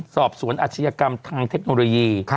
สอบสวนอาชญากรรมทางเทคโนโลยี